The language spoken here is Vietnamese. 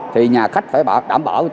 thì nhà khách phải đảm bảo